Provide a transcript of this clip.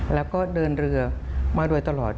แล้วก็เดินเรือมาโดยตลอด